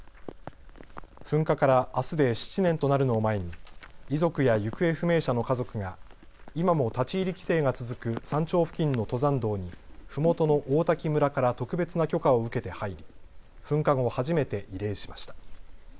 噴火からあすで７年となるのを前に遺族や行方不明者の家族が今も立ち入り規制が続く山頂付近の登山道にふもとの王滝村から特別な許可を受けて入り噴火後、初めて慰霊しました。